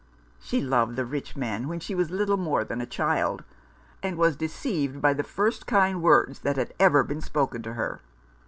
She loved the rich man when she was little more than a child, and was deceived by the first kind words that had ever been spoken to her.